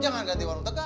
jangan ganti warung tegar